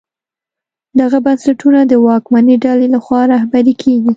دغه بنسټونه د واکمنې ډلې لخوا رهبري کېږي.